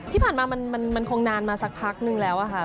ที่ผ่านมามันคงนานมาสักพักหนึ่งแล้ว